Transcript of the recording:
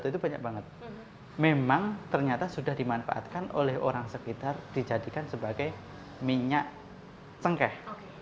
terima kasih terima kasih